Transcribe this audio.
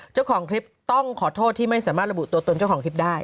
เจ้าของคลิปต้องขอโทษที่ไม่สามารถระบุตัวตนเจ้าของคลิปได้